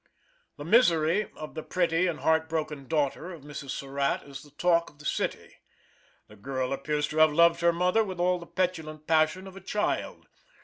The misery of the pretty and heart broken daughter of Mrs. Surratt is the talk of the city. This girl appears to have loved her mother with all the petulant passion of a child.